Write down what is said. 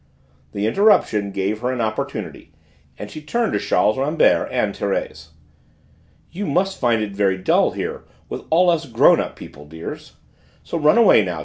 The interruption gave her an opportunity, and she turned to Charles Rambert and Thérèse. "You must find it very dull here with all of us grown up people, dears, so run away now.